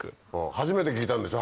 初めて聞いたんでしょ？